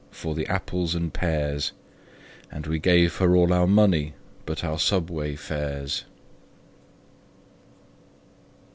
for the apples and pears, And we gave her all our money but our subway fares.